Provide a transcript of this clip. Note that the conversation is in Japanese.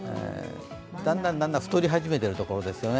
だんだん太り始めているところですよね。